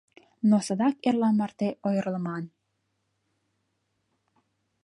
Но садак эрла марте ойырлыман.